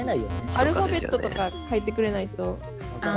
アルファベットとか書いてくれないと分からん。